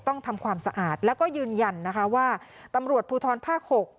ต้องทำความสะอาดแล้วก็ยืนยันนะคะว่าตำรวจภูทรภาค๖